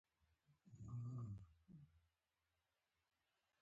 د خبرو ژبه د سولې ژبه ده